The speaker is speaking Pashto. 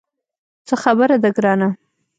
څه خبره ده ګرانه.